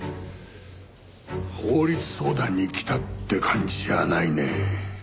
法律相談に来たって感じじゃないね。